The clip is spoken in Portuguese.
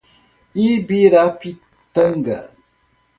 Ibirapitanga